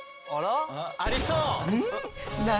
ありそう！